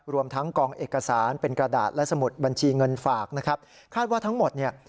รวมทั้งกองเอกสารเป็นกระดาษและสมุดบัญชีเงินฝากนะครับคาดว่าทั้งหมดเนี่ย